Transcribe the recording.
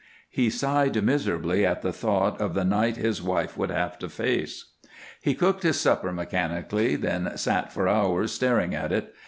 He sighed miserably at the thought of the night his wife would have to face. He cooked his supper mechanically, then sat for hours staring at it.